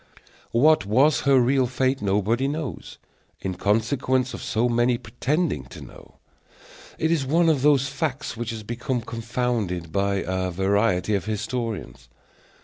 What was her real fate nobody knows, in consequence of so many pretending to know. It is one of those facts which have become confounded by a variety of historians.